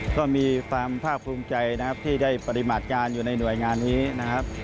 ก็มีความภาคภูมิใจนะครับที่ได้ปฏิบัติการอยู่ในหน่วยงานนี้นะครับ